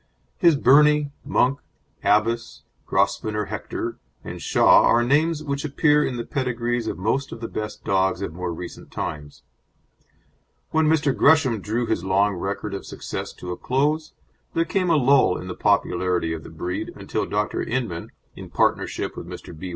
His Birnie, Monk, Abbess, Grosvenor Hector, and Shah are names which appear in the pedigrees of most of the best dogs of more recent times. When Mr. Gresham drew his long record of success to a close there came a lull in the popularity of the breed until Dr. Inman, in partnership with Mr. B.